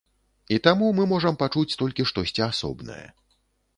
І таму мы можам пачуць толькі штосьці асобнае.